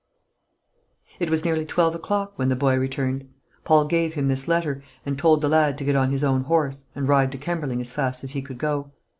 It was nearly twelve o'clock when the boy returned. Paul gave him this letter, and told the lad to get on his own horse, and ride to Kemberling as fast as he could go.